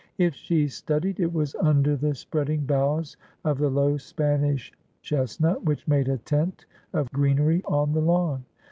If she studied, it was under the spreading boughs of the low Spanish chestnut which made a tent of greenery on the lawn.